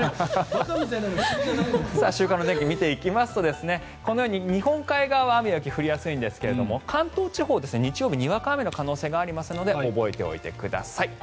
週間天気を見ていきますと日本海側は雨雪が降りやすいんですが関東地方は日曜日ににわか雨の可能性がありますので覚えておいてください。